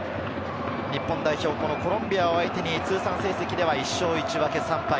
日本代表、コロンビアを相手に通算成績では１勝１分け３敗。